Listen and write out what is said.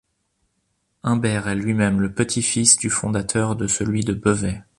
Humbert est lui-même le petit-fils du fondateur de celui de Bevaix.